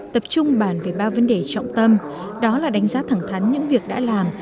tập trung bàn về ba vấn đề trọng tâm đó là đánh giá thẳng thắn những việc đã làm